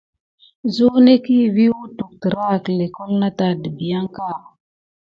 Zunekiy vi wutu terake léklole nata dimpiaka.